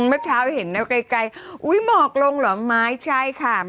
เมื่อเช้าเห็นไว้ใกล้อุ๊ยเหมาะลงหรอม้ายใช่ค่ะ